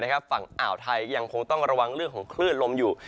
ฝั่งอ่าวไทยยังคงต้องระวังเรื่องของคลื่นลมอยู่